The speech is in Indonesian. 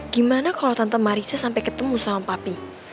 gimana kalau tante marisa sampai ketemu sama papi